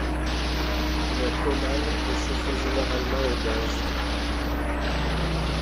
Le comal est chauffé généralement au gaz.